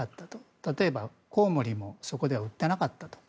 例えばコウモリもそこでは売っていなかったと。